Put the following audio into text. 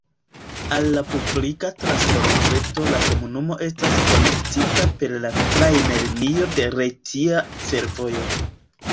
Al la publika transportreto la komunumo estas konektita per la trajnlinio de Retia Fervojo.